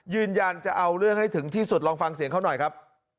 ยืนยันจะเอาเรื่องให้ถึงที่สุดลองฟังเสียงเขาหน่อยครับ